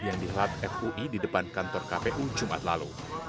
yang dihelat fui di depan kantor kpu jumat lalu